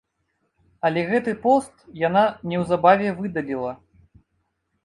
Але гэты пост яна неўзабаве выдаліла.